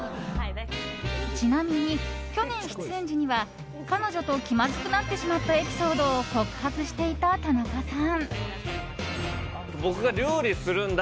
ちなみに去年出演時には彼女と気まずくなってしまったエピソードを告白していた田中さん。